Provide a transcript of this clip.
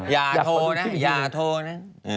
อย่าโทรนะอย่าโทรนะ